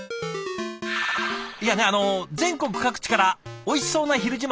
いやねあの全国各地からおいしそうな「ひる自慢」